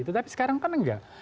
tetapi sekarang kan enggak